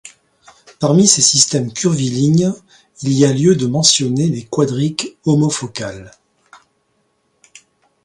Parmi ces systèmes curvilignes, il y a lieu de mentionner les quadriques homofocales.